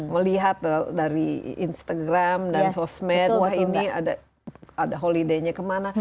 melihat dari instagram dan sosmed wah ini ada holiday nya kemana